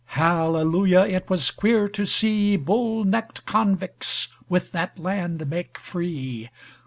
Hallelujah! It was queer to seeBull necked convicts with that land make free.